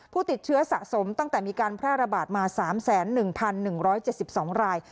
ผู้ติดเชื้อสะสมตั้งแต่มีการแพร่ระบาดมา๓๑๑๗๒ราย